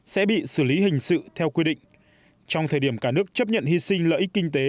sẽ bị xử lý hình sự theo quy định trong thời điểm cả nước chấp nhận hy sinh lợi ích kinh tế